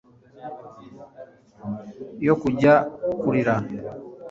yo kujya kurira